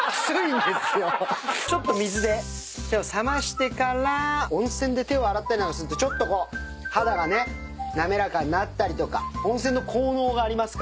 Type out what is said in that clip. ちょっと水で冷ましてから温泉で手を洗ったりなんかするとちょっとこう肌がね滑らかになったりとか温泉の効能がありますから。